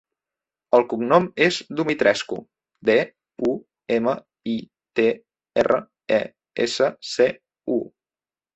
El cognom és Dumitrescu: de, u, ema, i, te, erra, e, essa, ce, u.